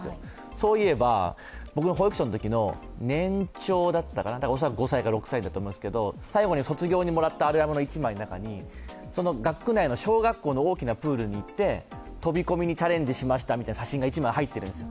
そういえば、僕が保育所のときの年長だったかな、恐らく５歳か６歳だと思いますけど最後に卒業にもらったアルバムの１枚の中に学区内の小学校の大きなプールに行って飛び込みにチャレンジしましたみたいな写真が１枚入ってるんです。